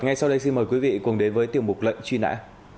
ngay sau đây xin mời quý vị cùng đến với tiểu mục lệnh truy nã